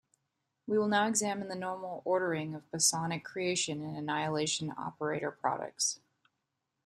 We will now examine the normal ordering of bosonic creation and annihilation operator products.